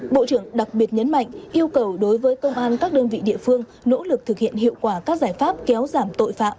bộ trưởng đặc biệt nhấn mạnh yêu cầu đối với công an các đơn vị địa phương nỗ lực thực hiện hiệu quả các giải pháp kéo giảm tội phạm